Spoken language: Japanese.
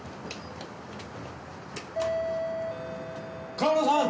川村さん！